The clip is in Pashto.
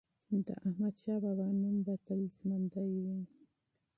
د احمدشاه بابا نوم به تل ژوندی وي.